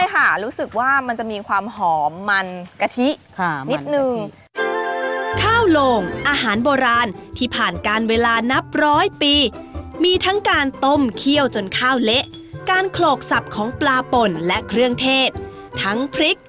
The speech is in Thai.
แต่ว่าพอกินเข้าไปแล้วมันจะได้กลิ่นหอมของ